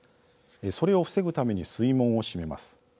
それを防ぐために水門を閉めます。